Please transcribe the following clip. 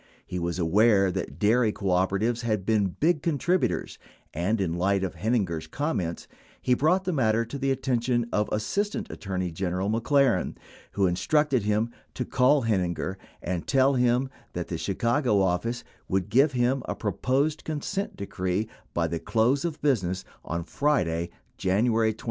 He was aware that dairy cooperatives had been big contributors and, in light of Heininger's comments, he brought the matter to the attention of Assistant Attorney General McLaren, who instructed him to call (Heininger and tell him that the Chicago office would give him a pro posed consent decree by the close of business on Friday, January 28.